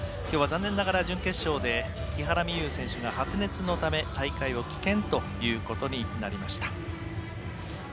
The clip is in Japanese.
きょうは残念ながら準決勝で木原美悠選手が発熱のため大会を棄権ということになりました。